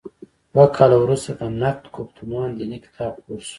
دوه کاله وروسته د نقد ګفتمان دیني کتاب خپور شو.